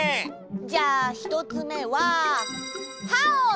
じゃあひとつめは「はをみがく」。